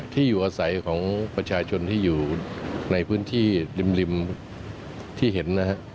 ที่อยู่อาศัยของประชาชนที่อยู่ในพื้นที่ริมที่เห็นนะฮะ